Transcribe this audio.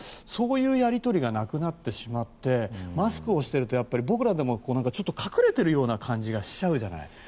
そういうやり取りがなくなってしまってマスクをしていると僕らでも隠れてるような感じがしちゃうじゃない。